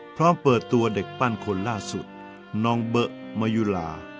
พร้อมเปิดตัวเด็กปั้นคนล่าสุดน้องเบอะมะยุลา